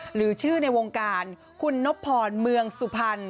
หรือชื่อในวงการคุณนบพรเมืองสุพรรณ